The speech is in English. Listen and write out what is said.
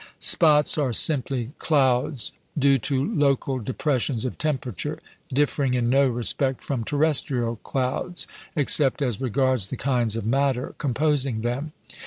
Spots are simply clouds due to local depressions of temperature, differing in no respect from terrestrial clouds except as regards the kinds of matter composing them.